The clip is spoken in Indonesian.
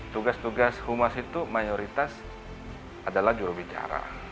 tugas tugas humas itu mayoritas adalah jurubicara